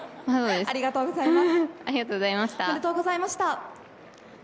ありがとうございます。